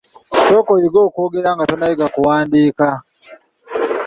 Sooka oyige okwogera nga tonnayiga kuwandiika.